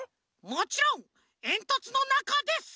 もちろんえんとつのなかです！